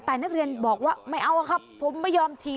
แต่นักเรียนบอกว่าไม่เอาอะครับผมไม่ยอมถี่